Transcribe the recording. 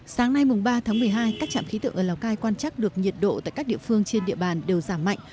sáng nay ba tháng một mươi hai các trạm khí tượng ở lào cai quan trắc được nhiệt độ tại các địa phương trên địa bàn đều giảm mạnh